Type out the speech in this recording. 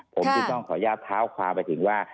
ผมจะต้องขอแยกเท้าความไปถึงว่า